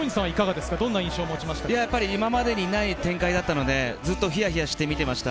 今までにない展開だったので、ずっとヒヤヒヤして見ていました。